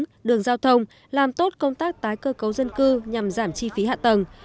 đường giao thông làm tốt công tác tái cơ cấu dân cư nhằm giảm chi phí hạ tầng